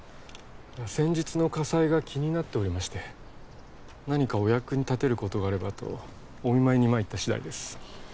先日の火災が気になっておりまして何かお役に立てることがあればとお見舞いに参った次第です